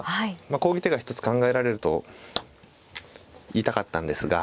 こういう手が一つ考えられると言いたかったんですが。